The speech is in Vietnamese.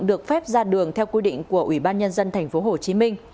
được phép ra đường theo quy định của ủy ban nhân dân tp hcm